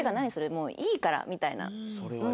もういいから」みたいな。